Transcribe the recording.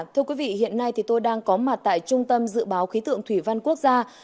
thưa quý vị hiện nay thì tôi đang có mặt tại trung tâm dự báo khí tượng thủy văn quốc gia